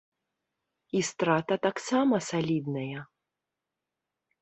І страта таксама салідная!